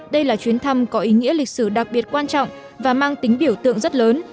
đây là chuyến thăm có ý nghĩa lịch sử đặc biệt quan trọng và mang tính biểu tượng rất lớn